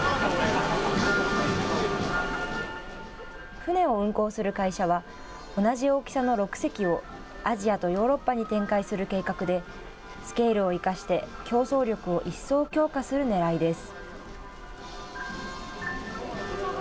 船を運航する会社は同じ大きさの６隻をアジアとヨーロッパに展開する計画でスケールを生かして競争力を一層、強化するねらいです。